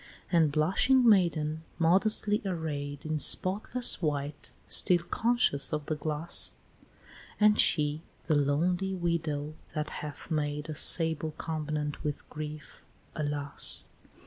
And blushing maiden modestly array'd In spotless white, still conscious of the glass; And she, the lonely widow, that hath made A sable covenant with grief, alas!